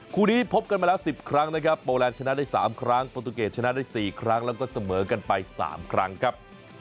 คู่นี้พบกันมาแล้ว๑๐ครั้งนะครับโปแลนด์ชนะได้๓ครั้งโปรตูเกตชนะได้๔ครั้งแล้วก็เสมอกันไป๓ครั้งครับ